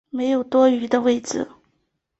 没有多余的位子